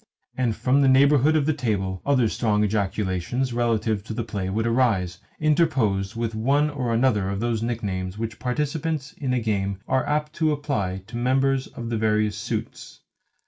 And from the neighbourhood of the table other strong ejaculations relative to the play would arise, interposed with one or another of those nicknames which participants in a game are apt to apply to members of the various suits.